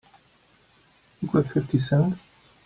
You got fifty cents?